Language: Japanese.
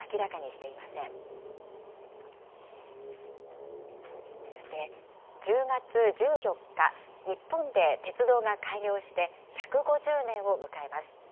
さて、１０月１４日、日本で鉄道が開業して１５０年を迎えます。